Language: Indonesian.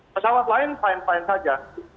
pesawat lain fine fine saja